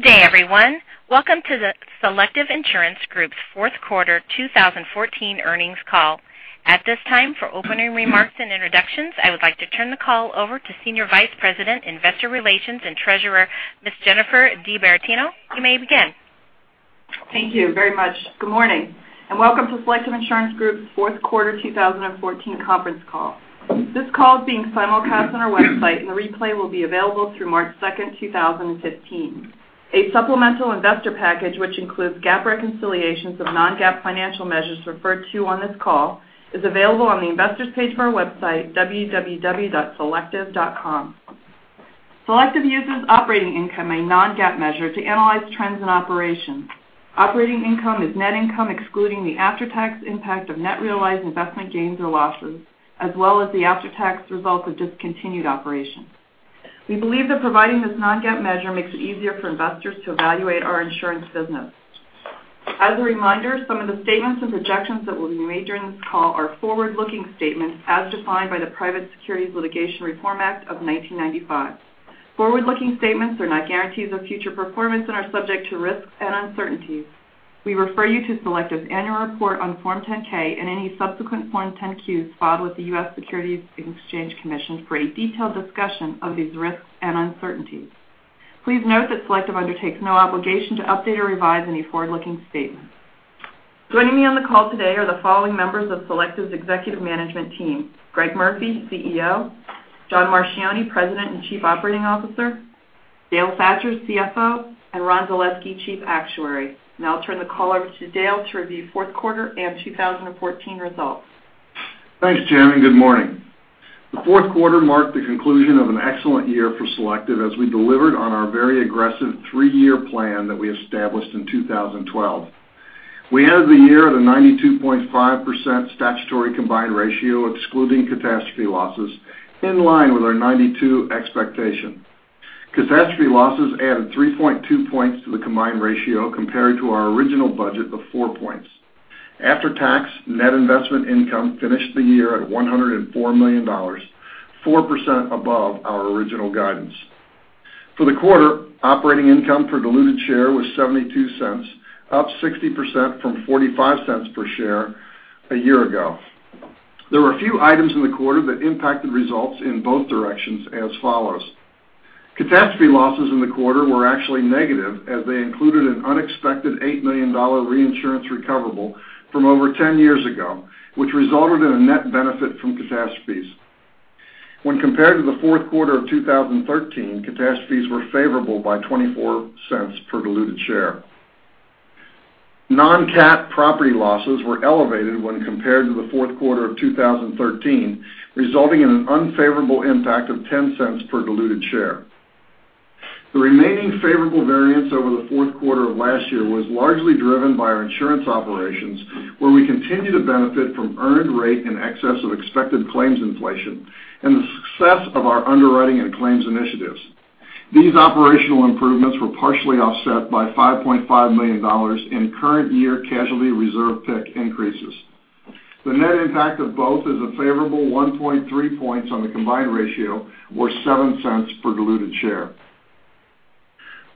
Good day, everyone. Welcome to the Selective Insurance Group's fourth quarter 2014 earnings call. At this time, for opening remarks and introductions, I would like to turn the call over to Senior Vice President, Investor Relations and Treasurer, Ms. Jennifer DiBerardino. You may begin. Thank you very much. Good morning, and welcome to Selective Insurance Group's fourth quarter 2014 conference call. This call is being simulcast on our website, and the replay will be available through March 2nd, 2015. A supplemental investor package, which includes GAAP reconciliations of non-GAAP financial measures referred to on this call, is available on the investors page of our website, www.selective.com. Selective uses operating income, a non-GAAP measure, to analyze trends in operations. Operating income is net income excluding the after-tax impact of net realized investment gains or losses, as well as the after-tax results of discontinued operations. We believe that providing this non-GAAP measure makes it easier for investors to evaluate our insurance business. As a reminder, some of the statements and projections that will be made during this call are forward-looking statements as defined by the Private Securities Litigation Reform Act of 1995. Forward-looking statements are not guarantees of future performance and are subject to risks and uncertainties. We refer you to Selective's annual report on Form 10-K and any subsequent Form 10-Qs filed with the U.S. Securities and Exchange Commission for a detailed discussion of these risks and uncertainties. Please note that Selective undertakes no obligation to update or revise any forward-looking statements. Joining me on the call today are the following members of Selective's executive management team: Greg Murphy, CEO; John Marchioni, President and Chief Operating Officer; Dale Thatcher, CFO; and Ron Zaleski, Chief Actuary. I'll turn the call over to Dale to review fourth quarter and 2014 results. Thanks, Jen, good morning. The fourth quarter marked the conclusion of an excellent year for Selective as we delivered on our very aggressive three-year plan that we established in 2012. We ended the year at a 92.5% statutory combined ratio excluding catastrophe losses, in line with our 92 expectation. Catastrophe losses added 3.2 points to the combined ratio compared to our original budget of four points. After-tax net investment income finished the year at $104 million, 4% above our original guidance. For the quarter, operating income per diluted share was $0.72, up 60% from $0.45 per share a year ago. There were a few items in the quarter that impacted results in both directions as follows. Catastrophe losses in the quarter were actually negative as they included an unexpected $8 million reinsurance recoverable from over 10 years ago, which resulted in a net benefit from catastrophes. When compared to the fourth quarter of 2013, catastrophes were favorable by $0.24 per diluted share. Non-cat property losses were elevated when compared to the fourth quarter of 2013, resulting in an unfavorable impact of $0.10 per diluted share. The remaining favorable variance over the fourth quarter of last year was largely driven by our insurance operations, where we continue to benefit from earned rate in excess of expected claims inflation and the success of our underwriting and claims initiatives. These operational improvements were partially offset by $5.5 million in current year casualty reserve PIC increases. The net impact of both is a favorable 1.3 points on the combined ratio was $0.07 per diluted share.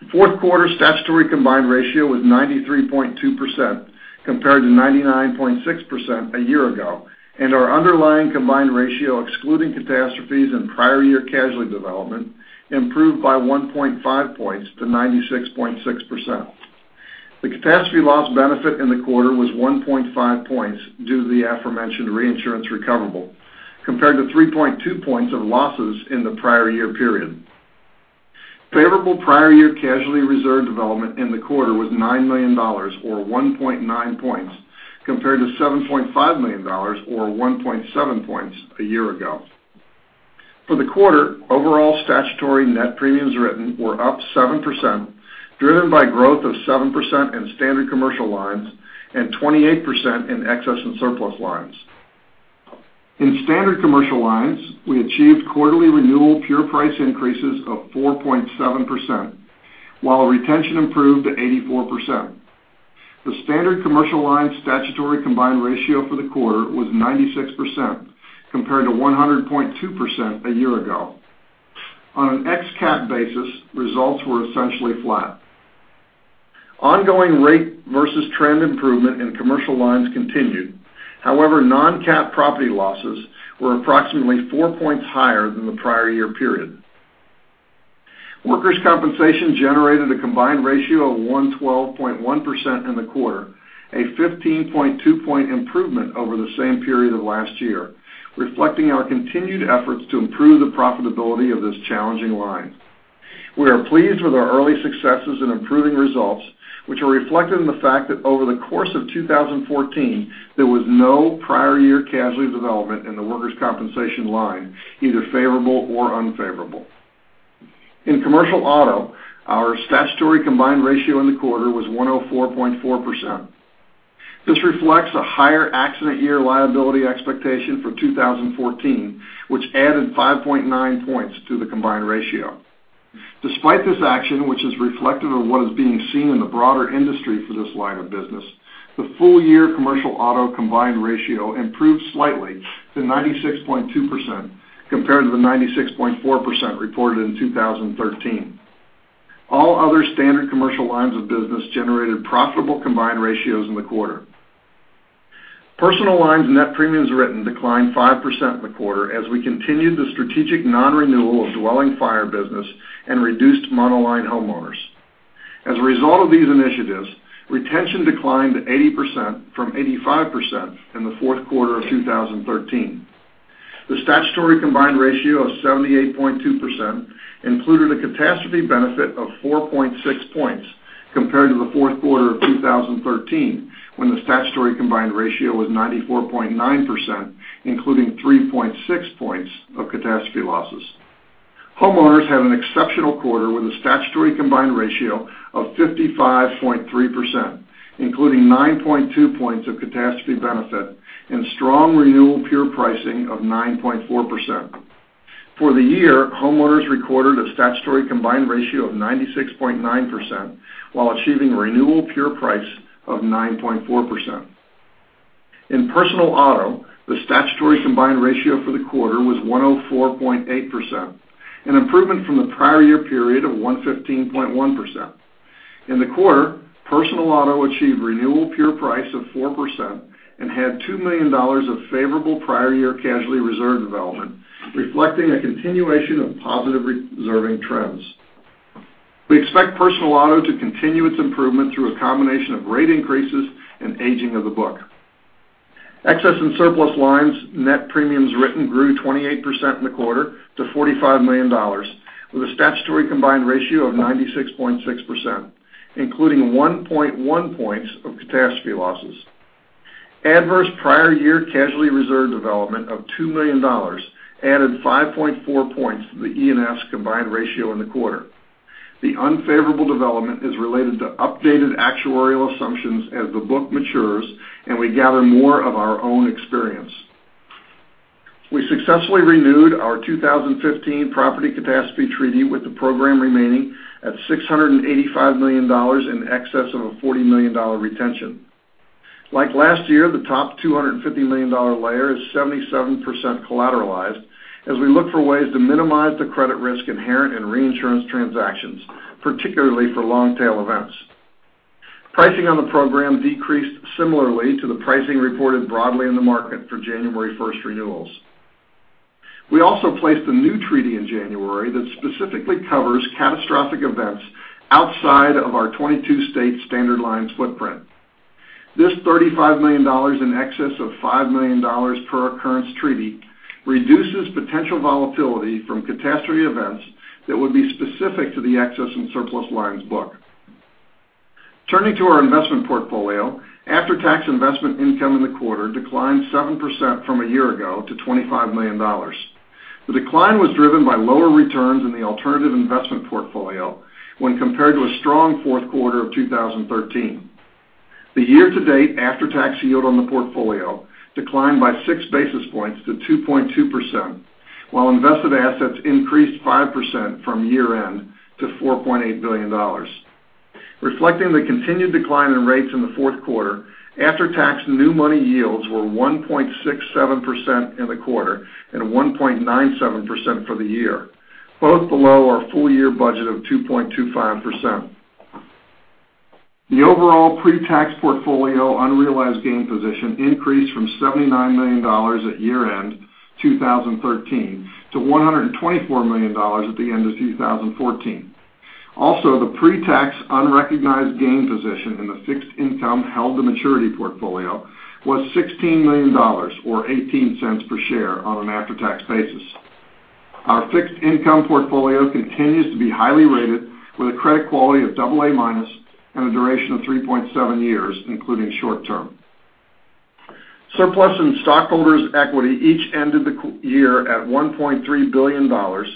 The fourth quarter statutory combined ratio was 93.2% compared to 99.6% a year ago, and our underlying combined ratio excluding catastrophes and prior year casualty development improved by 1.5 points to 96.6%. The catastrophe loss benefit in the quarter was 1.5 points due to the aforementioned reinsurance recoverable, compared to 3.2 points of losses in the prior year period. Favorable prior year casualty reserve development in the quarter was $9 million, or 1.9 points, compared to $7.5 million, or 1.7 points, a year ago. For the quarter, overall statutory net premiums written were up 7%, driven by growth of 7% in Standard Commercial Lines and 28% in excess and surplus lines. In Standard Commercial Lines, we achieved quarterly renewal pure price increases of 4.7%, while retention improved to 84%. The Standard Commercial Lines statutory combined ratio for the quarter was 96% compared to 100.2% a year ago. On an ex-cat basis, results were essentially flat. Ongoing rate versus trend improvement in commercial lines continued. However, non-cat property losses were approximately 4 points higher than the prior year period. Workers' Compensation generated a combined ratio of 112.1% in the quarter, a 15.2 point improvement over the same period of last year, reflecting our continued efforts to improve the profitability of this challenging line. We are pleased with our early successes in improving results, which are reflected in the fact that over the course of 2014, there was no prior year casualty development in the Workers' Compensation line, either favorable or unfavorable. In Commercial Auto, our statutory combined ratio in the quarter was 104.4%. This reflects a higher accident year liability expectation for 2014, which added 5.9 points to the combined ratio. Despite this action, which is reflective of what is being seen in the broader industry for this line of business, the full year Commercial Auto combined ratio improved slightly to 96.2% compared to the 96.4% reported in 2013. All other Standard Commercial Lines of business generated profitable combined ratios in the quarter. Personal Lines net premiums written declined 5% in the quarter as we continued the strategic non-renewal of dwelling fire business and reduced monoline homeowners. As a result of these initiatives, retention declined to 80% from 85% in the fourth quarter of 2013. The statutory combined ratio of 78.2% included a catastrophe benefit of 4.6 points compared to the fourth quarter of 2013, when the statutory combined ratio was 94.9%, including 3.6 points of catastrophe losses. Homeowners had an exceptional quarter with a statutory combined ratio of 55.3%, including 9.2 points of catastrophe benefit and strong renewal pure pricing of 9.4%. For the year, Homeowners recorded a statutory combined ratio of 96.9%, while achieving renewal pure price of 9.4%. In personal auto, the statutory combined ratio for the quarter was 104.8%, an improvement from the prior year period of 115.1%. In the quarter, personal auto achieved renewal pure price of 4% and had $2 million of favorable prior year casualty reserve development, reflecting a continuation of positive reserving trends. We expect personal auto to continue its improvement through a combination of rate increases and aging of the book. Excess and Surplus Lines net premiums written grew 28% in the quarter to $45 million, with a statutory combined ratio of 96.6%, including 1.1 points of catastrophe losses. Adverse prior year casualty reserve development of $2 million added 5.4 points to the E&S combined ratio in the quarter. The unfavorable development is related to updated actuarial assumptions as the book matures and we gather more of our own experience. We successfully renewed our 2015 property catastrophe treaty with the program remaining at $685 million in excess of a $40 million retention. Like last year, the top $250 million layer is 77% collateralized as we look for ways to minimize the credit risk inherent in reinsurance transactions, particularly for long-tail events. Pricing on the program decreased similarly to the pricing reported broadly in the market for January 1st renewals. We also placed a new treaty in January that specifically covers catastrophic events outside of our 22-state standard lines footprint. This $35 million in excess of $5 million per occurrence treaty reduces potential volatility from catastrophe events that would be specific to the Excess and Surplus Lines book. Turning to our investment portfolio, after-tax investment income in the quarter declined 7% from a year ago to $25 million. The decline was driven by lower returns in the alternative investment portfolio when compared to a strong fourth quarter of 2013. The year-to-date after-tax yield on the portfolio declined by six basis points to 2.2%, while invested assets increased 5% from year-end to $4.8 billion. Reflecting the continued decline in rates in the fourth quarter, after-tax new money yields were 1.67% in the quarter and 1.97% for the year, both below our full-year budget of 2.25%. The overall pre-tax portfolio unrealized gain position increased from $79 million at year-end 2013 to $124 million at the end of 2014. Also, the pre-tax unrecognized gain position in the fixed income held the maturity portfolio was $16 million, or $0.18 per share on an after-tax basis. Our fixed income portfolio continues to be highly rated with a credit quality of AA- and a duration of 3.7 years, including short term. Surplus and stockholders' equity each end of the year at $1.3 billion,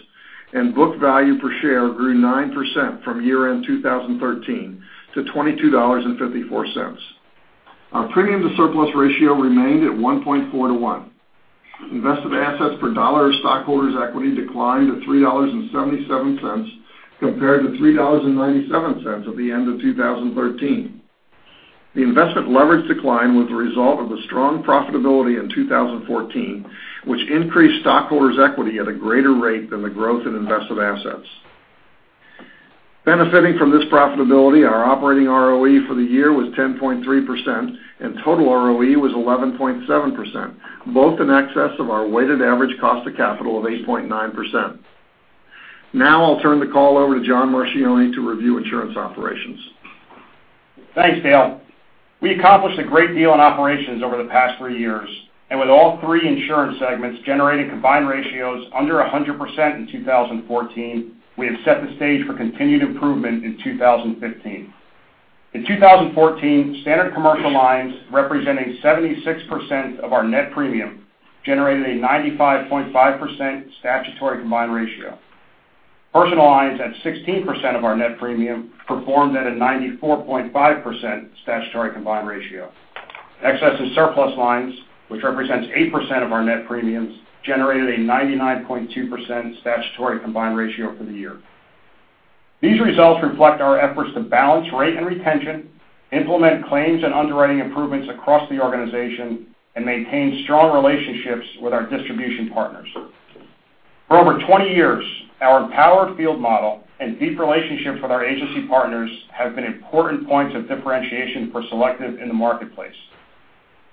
and book value per share grew 9% from year-end 2013 to $22.54. Our premium-to-surplus ratio remained at 1.4 to 1. Invested assets per dollar of stockholders' equity declined to $3.77 compared to $3.97 at the end of 2013. The investment leverage decline was a result of the strong profitability in 2014, which increased stockholders' equity at a greater rate than the growth in invested assets. Benefiting from this profitability, our operating ROE for the year was 10.3% and total ROE was 11.7%, both in excess of our weighted average cost of capital of 8.9%. Now I'll turn the call over to John Marchioni to review insurance operations. Thanks, Dale. We accomplished a great deal in operations over the past three years, and with all three insurance segments generating combined ratios under 100% in 2014, we have set the stage for continued improvement in 2015. In 2014, Standard Commercial Lines, representing 76% of our net premium, generated a 95.5% statutory combined ratio. Personal Lines at 16% of our net premium performed at a 94.5% statutory combined ratio. Excess and Surplus Lines, which represents 8% of our net premiums, generated a 99.2% statutory combined ratio for the year. These results reflect our efforts to balance rate and retention, implement claims and underwriting improvements across the organization, and maintain strong relationships with our distribution partners. For over 20 years, our empowered field model and deep relationships with our agency partners have been important points of differentiation for Selective in the marketplace.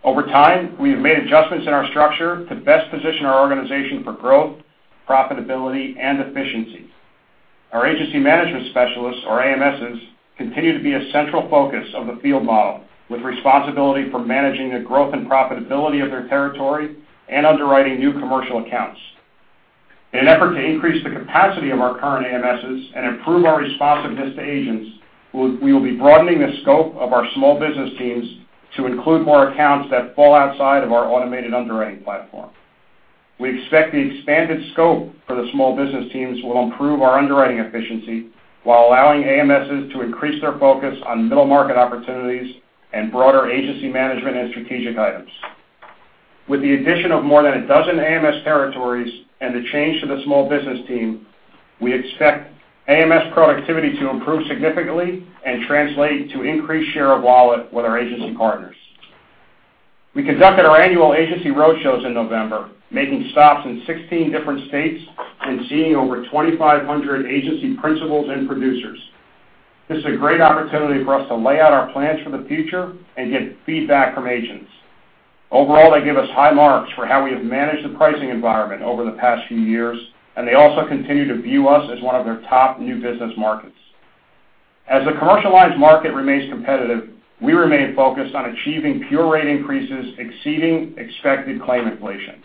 Over time, we have made adjustments in our structure to best position our organization for growth, profitability, and efficiency. Our agency management specialists, or AMSs, continue to be a central focus of the field model, with responsibility for managing the growth and profitability of their territory and underwriting new commercial accounts. In an effort to increase the capacity of our current AMSs and improve our responsiveness to agents, we will be broadening the scope of our small business teams to include more accounts that fall outside of our automated underwriting platform. We expect the expanded scope for the small business teams will improve our underwriting efficiency while allowing AMSs to increase their focus on middle-market opportunities and broader agency management and strategic items. With the addition of more than a dozen AMS territories and the change to the small business team, we expect AMS productivity to improve significantly and translate to increased share of wallet with our agency partners. We conducted our annual agency roadshows in November, making stops in 16 different states and seeing over 2,500 agency principals and producers. This is a great opportunity for us to lay out our plans for the future and get feedback from agents. Overall, they give us high marks for how we have managed the pricing environment over the past few years. They also continue to view us as one of their top new business markets. As the commercial lines market remains competitive, we remain focused on achieving pure rate increases exceeding expected claim inflation.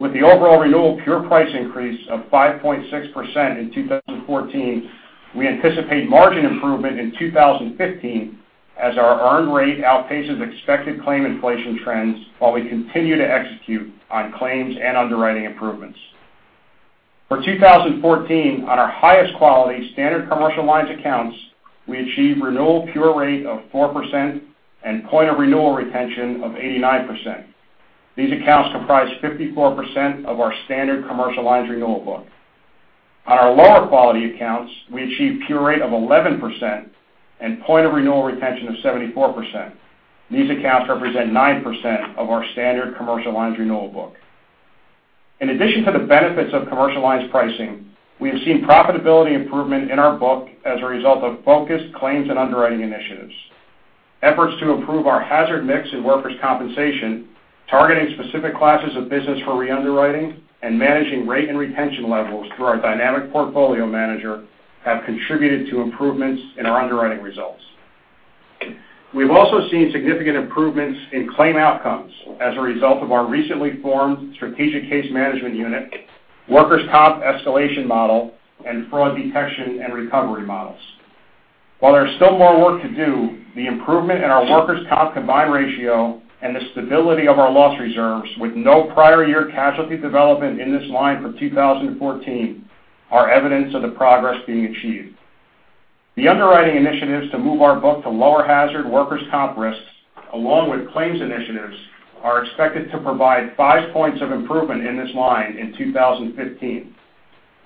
With the overall renewal pure price increase of 5.6% in 2014, we anticipate margin improvement in 2015 as our earned rate outpaces expected claim inflation trends while we continue to execute on claims and underwriting improvements. For 2014, on our highest quality Standard Commercial Lines accounts, we achieved renewal pure rate of 4% and point of renewal retention of 89%. These accounts comprise 54% of our Standard Commercial Lines renewal book. On our lower quality accounts, we achieved pure rate of 11% and point of renewal retention of 74%. These accounts represent 9% of our Standard Commercial Lines renewal book. In addition to the benefits of commercial lines pricing, we have seen profitability improvement in our book as a result of focused claims and underwriting initiatives. Efforts to improve our hazard mix in Workers' Compensation, targeting specific classes of business for re-underwriting, and managing rate and retention levels through our dynamic portfolio manager have contributed to improvements in our underwriting results. We've also seen significant improvements in claim outcomes as a result of our recently formed Strategic Case Management Unit, workers' comp escalation model, and fraud detection and recovery models. While there's still more work to do, the improvement in our workers' comp combined ratio and the stability of our loss reserves with no prior year casualty development in this line for 2014 are evidence of the progress being achieved. The underwriting initiatives to move our book to lower hazard workers' comp risks, along with claims initiatives, are expected to provide five points of improvement in this line in 2015.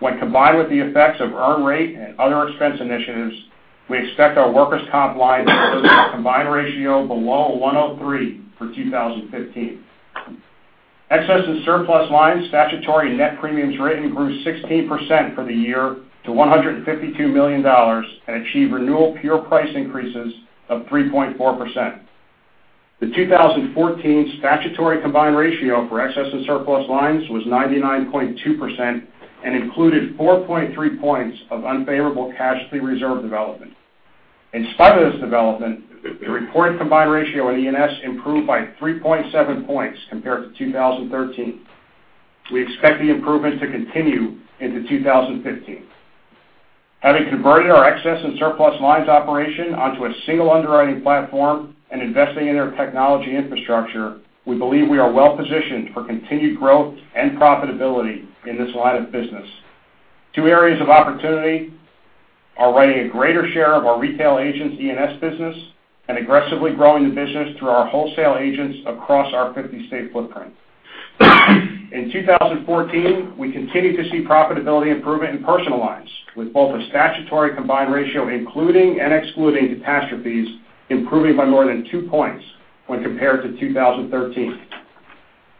When combined with the effects of earned rate and other expense initiatives, we expect our workers' comp line to post a combined ratio below 103 for 2015. Excess and Surplus Lines statutory net premiums written grew 16% for the year to $152 million and achieved renewal pure price increases of 3.4%. The 2014 statutory combined ratio for excess and surplus lines was 99.2% and included 4.3 points of unfavorable casualty reserve development. In spite of this development, the reported combined ratio in E&S improved by 3.7 points compared to 2013. We expect the improvements to continue into 2015. Having converted our excess and surplus lines operation onto a single underwriting platform and investing in our technology infrastructure, we believe we are well-positioned for continued growth and profitability in this line of business. Two areas of opportunity are writing a greater share of our retail agents' E&S business and aggressively growing the business through our wholesale agents across our 50-state footprint. In 2014, we continued to see profitability improvement in Personal Lines, with both a statutory combined ratio including and excluding catastrophes improving by more than two points when compared to 2013.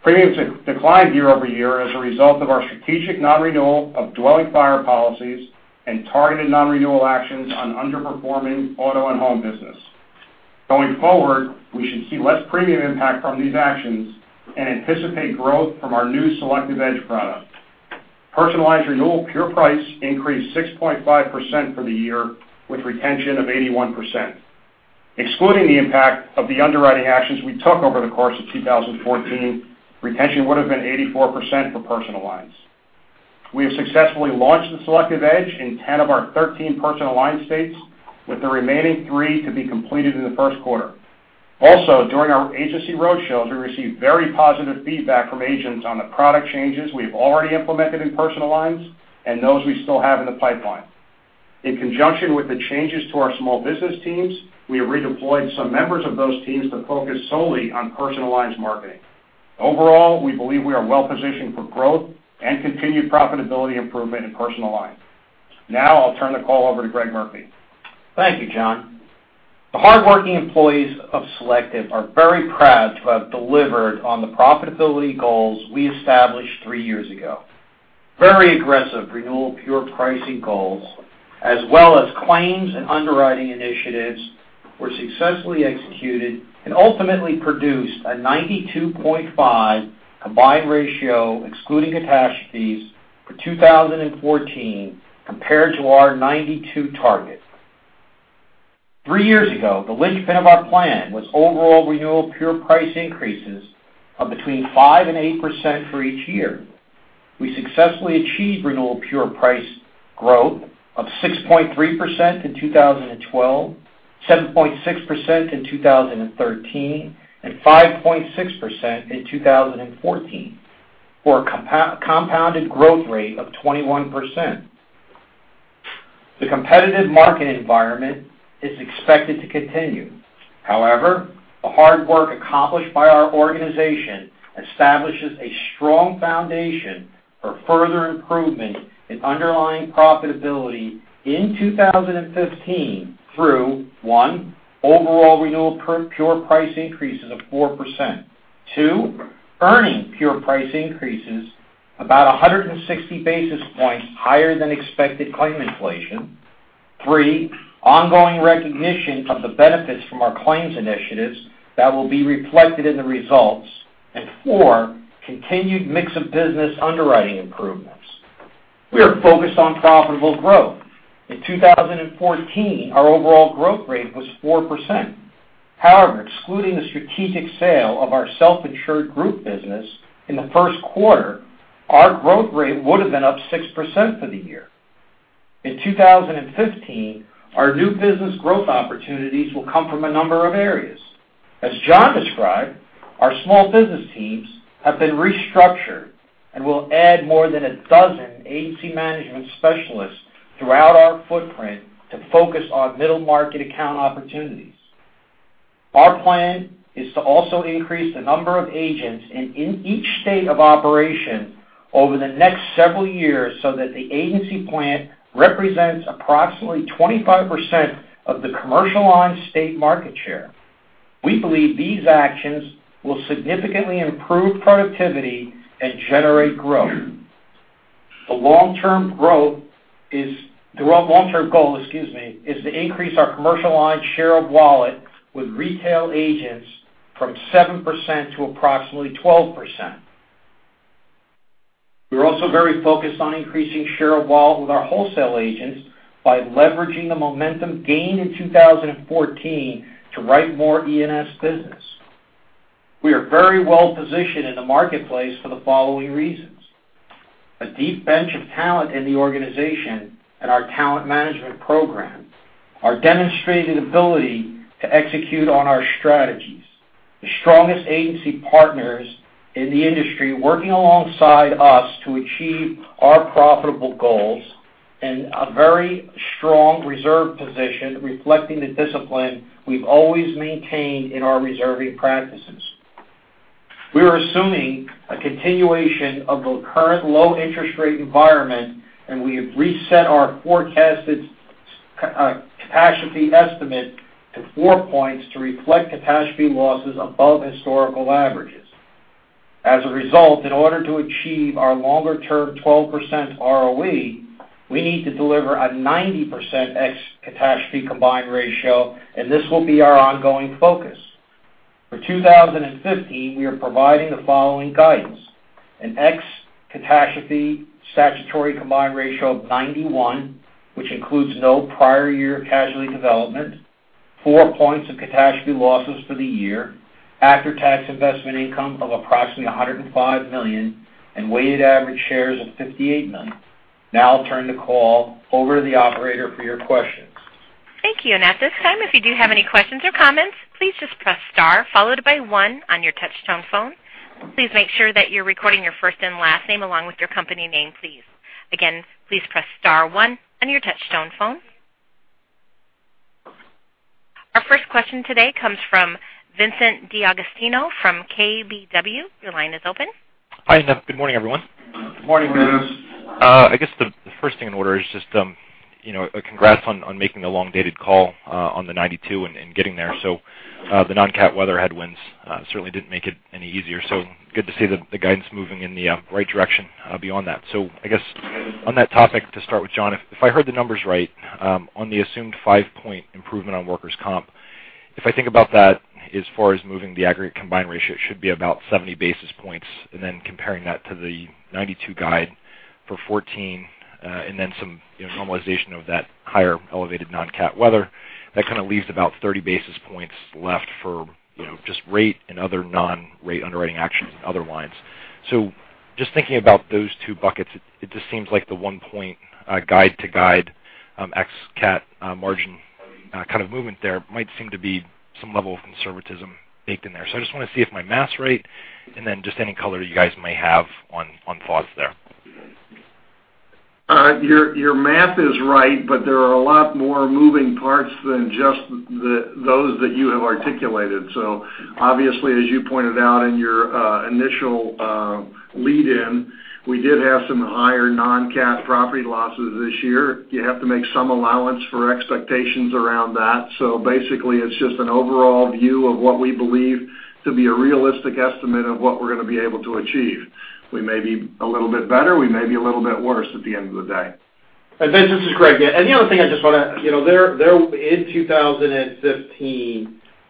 Premiums declined year-over-year as a result of our strategic non-renewal of dwelling fire policies and targeted non-renewal actions on underperforming auto and home business. Going forward, we should see less premium impact from these actions and anticipate growth from our new The Selective Edge product. Personal Lines renewal pure price increased 6.5% for the year, with retention of 81%. Excluding the impact of the underwriting actions we took over the course of 2014, retention would have been 84% for Personal Lines. During our agency roadshows, we received very positive feedback from agents on the product changes we've already implemented in Personal Lines and those we still have in the pipeline. In conjunction with the changes to our small business teams, we have redeployed some members of those teams to focus solely on Personal Lines marketing. Overall, we believe we are well-positioned for growth and continued profitability improvement in Personal Lines. Now, I'll turn the call over to Greg Murphy. Thank you, John. The hardworking employees of Selective are very proud to have delivered on the profitability goals we established three years ago. Very aggressive renewal pure pricing goals, as well as claims and underwriting initiatives were successfully executed and ultimately produced a 92.5 combined ratio excluding catastrophes for 2014 compared to our 92 target. Three years ago, the linchpin of our plan was overall renewal pure price increases of between 5% and 8% for each year. We successfully achieved renewal pure price growth of 6.3% in 2012, 7.6% in 2013, and 5.6% in 2014, for a compounded growth rate of 21%. The competitive market environment is expected to continue. However, the hard work accomplished by our organization establishes a strong foundation for further improvement in underlying profitability in 2015 through, one, overall renewal pure price increases of 4%. Two, earning pure price increases about 160 basis points higher than expected claim inflation. Three, ongoing recognition of the benefits from our claims initiatives that will be reflected in the results. Four, continued mix of business underwriting improvements. We are focused on profitable growth. In 2014, our overall growth rate was 4%. However, excluding the strategic sale of our self-insured group business in the first quarter, our growth rate would've been up 6% for the year. In 2015, our new business growth opportunities will come from a number of areas. As John described, our small business teams have been restructured and will add more than a dozen agency management specialists throughout our footprint to focus on middle market account opportunities. Our plan is to also increase the number of agents in each state of operation over the next several years so that the agency plant represents approximately 25% of the commercial on state market share. We believe these actions will significantly improve productivity and generate growth. The long-term goal is to increase our commercial line share of wallet with retail agents from 7% to approximately 12%. We're also very focused on increasing share of wallet with our wholesale agents by leveraging the momentum gained in 2014 to write more E&S business. We are very well positioned in the marketplace for the following reasons. A deep bench of talent in the organization and our talent management program, our demonstrated ability to execute on our strategies, the strongest agency partners in the industry working alongside us to achieve our profitable goals, and a very strong reserve position reflecting the discipline we've always maintained in our reserving practices. We are assuming a continuation of the current low interest rate environment, and we have reset our forecasted capacity estimate to four points to reflect catastrophe losses above historical averages. As a result, in order to achieve our longer term 12% ROE, we need to deliver a 90% ex catastrophe combined ratio, and this will be our ongoing focus. For 2015, we are providing the following guidance. An ex-catastrophe statutory combined ratio of 91, which includes no prior year casualty development, four points of catastrophe losses for the year, after-tax investment income of approximately $105 million, and weighted average shares of $58 million. I'll turn the call over to the operator for your questions. Thank you. At this time, if you do have any questions or comments, please just press star followed by one on your touchtone phone. Please make sure that you're recording your first and last name along with your company name, please. Again, please press star one on your touchtone phone. Our first question today comes from Vincent DeAugustino from KBW. Your line is open. Hi, good morning, everyone. Good morning. I guess the first thing in order is just congrats on making the long-dated call on the 92 and getting there. The non-cat weather headwinds certainly didn't make it any easier, good to see the guidance moving in the right direction beyond that. I guess on that topic, to start with John, if I heard the numbers right, on the assumed 5-point improvement on workers' comp, if I think about that as far as moving the aggregate combined ratio, it should be about 70 basis points. Comparing that to the 92 guide for 14, and then some normalization of that higher elevated non-cat weather, that kind of leaves about 30 basis points left for just rate and other non-rate underwriting actions in other lines. Just thinking about those two buckets, it just seems like the 1-point guide to guide ex cat margin kind of movement there might seem to be some level of conservatism baked in there. I just want to see if my math's right, and then just any color you guys may have on thoughts there. Your math is right, there are a lot more moving parts than just those that you have articulated. Obviously, as you pointed out in your initial lead in, we did have some higher non-cat property losses this year. You have to make some allowance for expectations around that. Basically, it's just an overall view of what we believe To be a realistic estimate of what we're going to be able to achieve. We may be a little bit better, we may be a little bit worse at the end of the day. Vince, this is Greg. In 2015,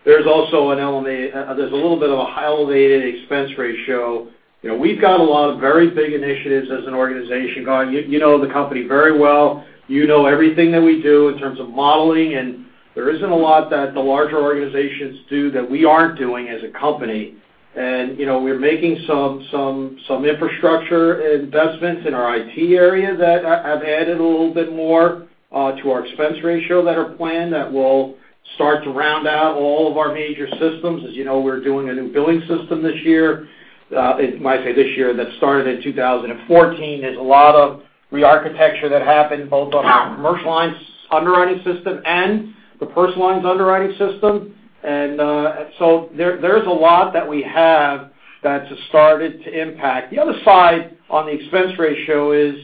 there's a little bit of a elevated expense ratio. We've got a lot of very big initiatives as an organization going. You know the company very well. You know everything that we do in terms of modeling, and there isn't a lot that the larger organizations do that we aren't doing as a company. We're making some infrastructure investments in our IT area that have added a little bit more to our expense ratio that are planned, that will start to round out all of our major systems. As you know, we're doing a new billing system this year. When I say this year, that started in 2014. There's a lot of re-architecture that happened both on our commercial lines underwriting system and the personal lines underwriting system. There's a lot that we have that's started to impact. The other side on the expense ratio is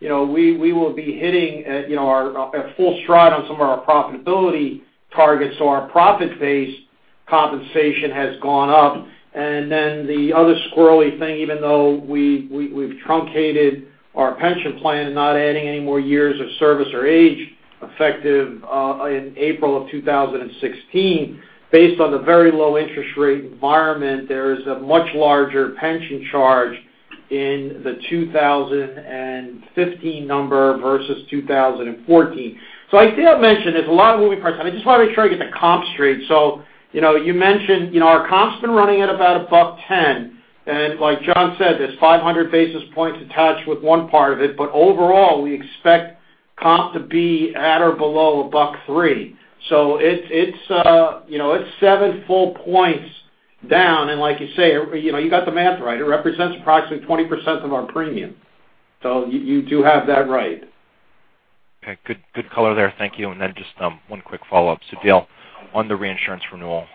we will be hitting at full stride on some of our profitability targets. Our profit base compensation has gone up. The other squirrely thing, even though we've truncated our pension plan and not adding any more years of service or age effective in April of 2016, based on the very low interest rate environment, there is a much larger pension charge in the 2015 number versus 2014. I did mention there's a lot of moving parts, and I just want to make sure I get the comp straight. You mentioned our comp's been running at about $1.10, and like John said, there's 500 basis points attached with one part of it. Overall, we expect comp to be at or below $1.03. It's seven full points down, and like you say, you got the math right. It represents approximately 20% of our premium. You do have that right. Okay, good color there. Thank you. Just one quick follow-up, Dale, on the reinsurance renewal.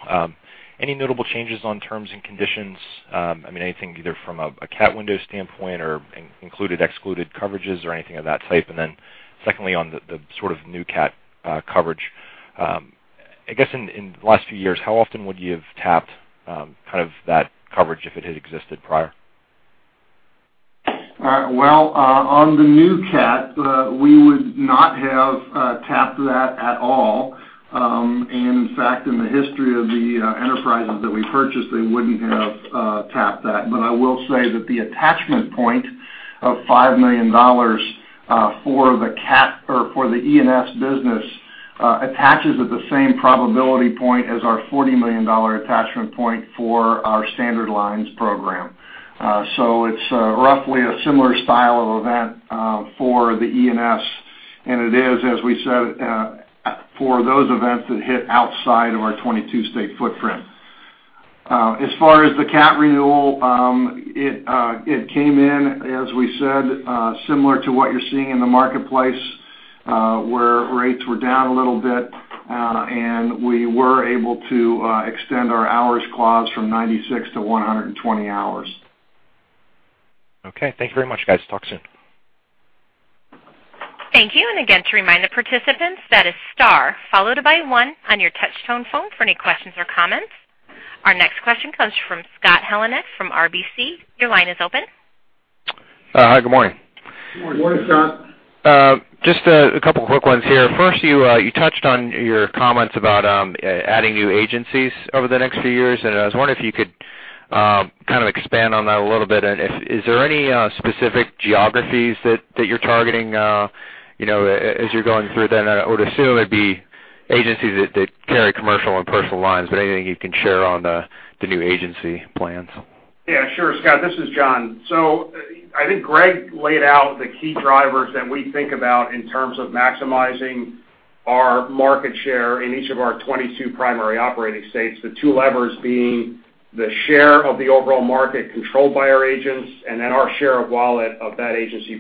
Any notable changes on terms and conditions? Anything either from a cat window standpoint or included, excluded coverages or anything of that type? Secondly, on the sort of new cat coverage, I guess in the last few years, how often would you have tapped that coverage if it had existed prior? On the new cat, we would not have tapped that at all. In fact, in the history of the enterprises that we purchased, they wouldn't have tapped that. I will say that the attachment point of $5 million for the E&S business attaches at the same probability point as our $40 million attachment point for our standard lines program. It's roughly a similar style of event for the E&S, and it is, as we said, for those events that hit outside of our 22 state footprint. As far as the cat renewal, it came in, as we said, similar to what you're seeing in the marketplace, where rates were down a little bit, and we were able to extend our hours clause from 96 to 120 hours. Okay. Thank you very much, guys. Talk soon. Thank you. Again, to remind the participants, that is star followed by one on your touch tone phone for any questions or comments. Our next question comes from Scott Heleniak from RBC. Your line is open. Hi, good morning. Good morning, Scott. Good morning. Just a couple of quick ones here. First, you touched on your comments about adding new agencies over the next few years, and I was wondering if you could kind of expand on that a little bit. Is there any specific geographies that you're targeting as you're going through that? I would assume it'd be agencies that carry Commercial and Personal Lines, but anything you can share on the new agency plans? Yeah, sure, Scott. This is John. I think Greg laid out the key drivers that we think about in terms of maximizing our market share in each of our 22 primary operating states. The two levers being the share of the overall market controlled by our agents, and then our share of wallet of that agency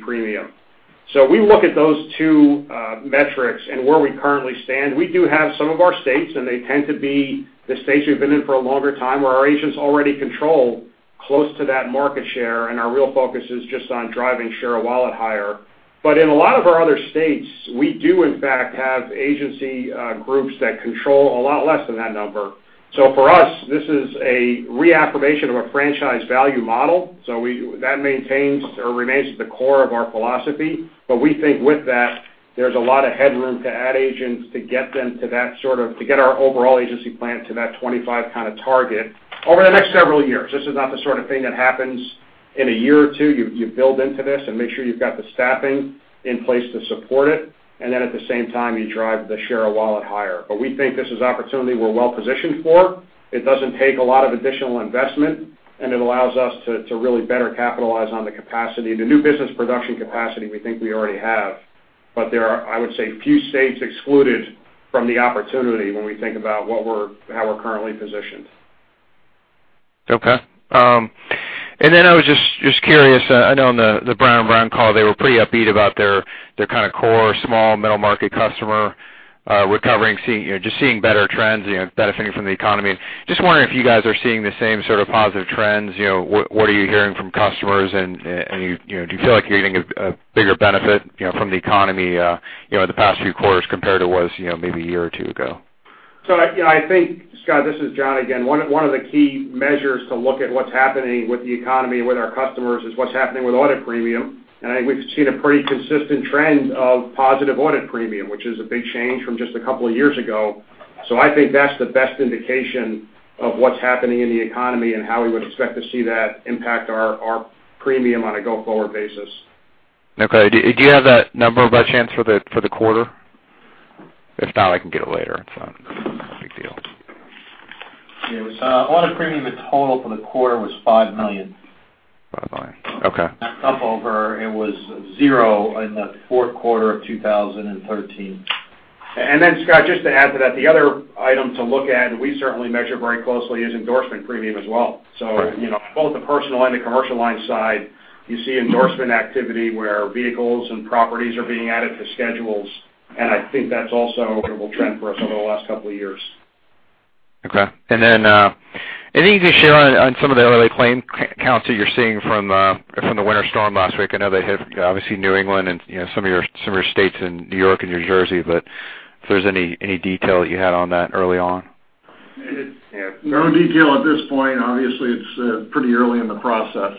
premium. We look at those two metrics and where we currently stand. We do have some of our states, and they tend to be the states we've been in for a longer time, where our agents already control close to that market share, and our real focus is just on driving share of wallet higher. In a lot of our other states, we do in fact, have agency groups that control a lot less than that number. For us, this is a reaffirmation of our franchise value model. That maintains or remains at the core of our philosophy. We think with that, there's a lot of headroom to add agents to get our overall agency plan to that 25 kind of target over the next several years. This is not the sort of thing that happens in a year or two. You build into this and make sure you've got the staffing in place to support it, and then at the same time, you drive the share of wallet higher. We think this is opportunity we're well positioned for. It doesn't take a lot of additional investment, and it allows us to really better capitalize on the capacity, the new business production capacity we think we already have. There are, I would say, few states excluded from the opportunity when we think about how we're currently positioned. Okay. I was just curious, I know on the Brown & Brown call, they were pretty upbeat about their kind of core small middle market customer recovering, just seeing better trends, benefiting from the economy. Just wondering if you guys are seeing the same sort of positive trends. What are you hearing from customers? Do you feel like you're getting a bigger benefit from the economy the past few quarters compared to what it was maybe a year or two ago? Scott, this is John again. One of the key measures to look at what's happening with the economy, with our customers, is what's happening with audit premium. I think we've seen a pretty consistent trend of positive audit premium, which is a big change from just a couple of years ago. I think that's the best indication of what's happening in the economy and how we would expect to see that impact our premium on a go-forward basis. Okay. Do you have that number by chance for the quarter? If not, I can get it later. It's not a big deal. Yes. Audit premium total for the quarter was $5 million. $5 million. Okay. Up over, it was zero in the fourth quarter of 2013. Scott, just to add to that, the other item to look at, we certainly measure very closely is endorsement premium as well. Both the personal and the commercial line side, you see endorsement activity where vehicles and properties are being added to schedules. I think that's also a notable trend for us over the last couple of years. Okay. Anything to share on some of the early claim counts that you're seeing from the winter storm last week? I know they hit obviously New England and some of your states in New York and New Jersey, if there's any detail that you had on that early on. No detail at this point. Obviously, it's pretty early in the process.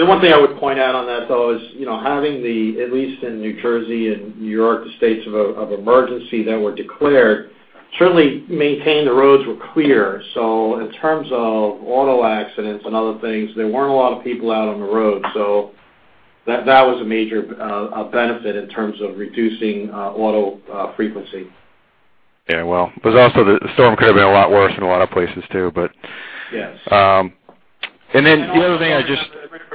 The one thing I would point out on that though is having the, at least in New Jersey and New York, the states of emergency that were declared certainly maintained the roads were clear. In terms of auto accidents and other things, there weren't a lot of people out on the road. That was a major benefit in terms of reducing auto frequency. Yeah. Well, because also the storm could have been a lot worse in a lot of places, too. Yes. The other thing.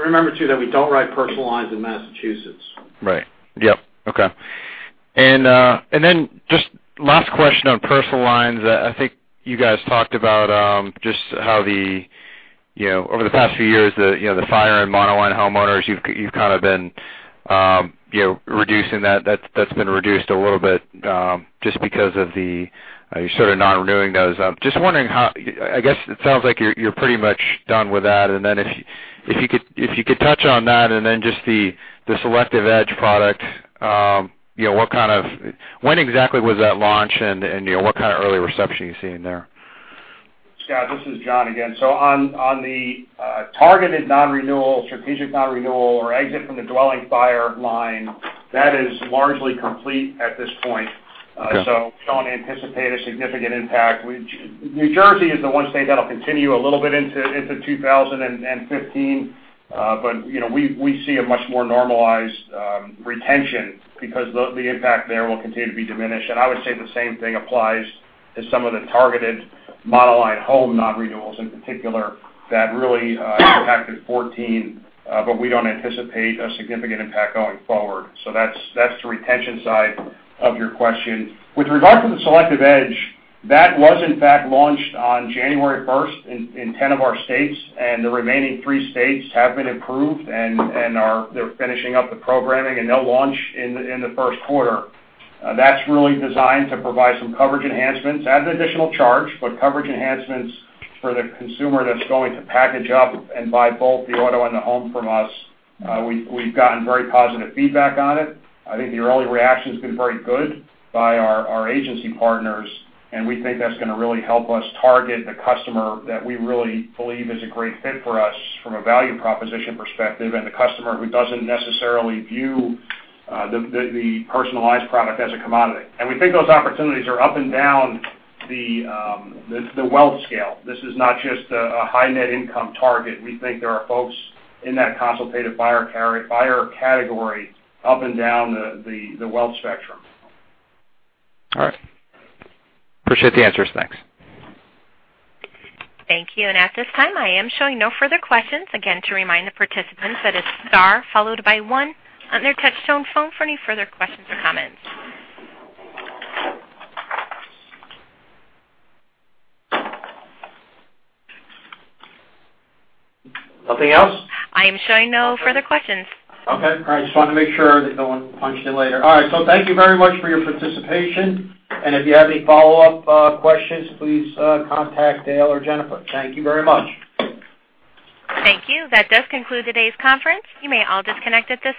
Remember too that we don't write personal lines in Massachusetts. Right. Yep. Okay. Just last question on personal lines. I think you guys talked about just how over the past few years, the fire and monoline homeowners, you've kind of been reducing that. That's been reduced a little bit just because of the. You're sort of not renewing those up. I guess it sounds like you're pretty much done with that. If you could touch on that and then just The Selective Edge product, when exactly was that launch and what kind of early reception are you seeing there? Scott, this is John again. On the targeted non-renewal, strategic non-renewal or exit from the dwelling fire line, that is largely complete at this point. Don't anticipate a significant impact. New Jersey is the one state that'll continue a little bit into 2015, but we see a much more normalized retention because the impact there will continue to be diminished. I would say the same thing applies to some of the targeted monoline home non-renewals in particular that really impacted 2014, but we don't anticipate a significant impact going forward. That's the retention side of your question. With regard to The Selective Edge, that was in fact launched on January 1st in 10 of our states, and the remaining three states have been approved, and they're finishing up the programming, and they'll launch in the first quarter. That's really designed to provide some coverage enhancements, at an additional charge, but coverage enhancements for the consumer that's going to package up and buy both the auto and the home from us. We've gotten very positive feedback on it. I think the early reaction's been very good by our agency partners, and we think that's going to really help us target the customer that we really believe is a great fit for us from a value proposition perspective and the customer who doesn't necessarily view the personalized product as a commodity. We think those opportunities are up and down the wealth scale. This is not just a high net income target. We think there are folks in that consultative buyer category up and down the wealth spectrum. All right. Appreciate the answers. Thanks. Thank you. At this time, I am showing no further questions. Again, to remind the participants that it's star followed by one on their touch-tone phone for any further questions or comments. Nothing else? I am showing no further questions. Okay. I just wanted to make sure that no one punched in later. All right, thank you very much for your participation. If you have any follow-up questions, please contact Dale or Jennifer. Thank you very much. Thank you. That does conclude today's conference. You may all disconnect at this time.